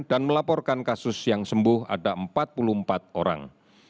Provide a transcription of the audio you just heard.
dan melaporkan kasus yang sembuh ada empat puluh empat orang